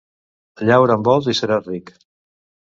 Llaura amb bous i seràs ric.